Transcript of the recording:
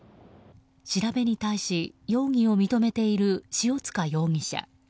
調べに対し容疑を認めている塩塚容疑者。